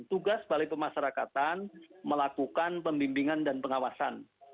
tugas balai pemasarakatan melakukan pembimbingan dan pengawasan